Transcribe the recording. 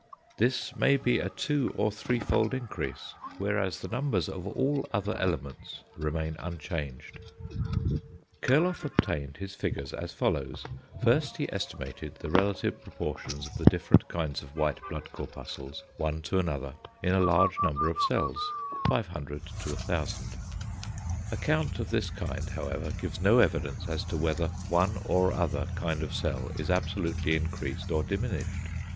This may be a two or threefold increase, whereas the numbers of all other elements remain unchanged. Kurloff obtained his figures as follows: first he estimated the relative proportion of the different kinds of white blood corpuscles one to another in a large number of cells (500 to 1000). A count of this kind however gives no evidence as to whether one or other kind of cell is absolutely increased or diminished.